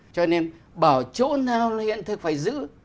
cho nên bảo chỗ nào là hiện thực phải giữ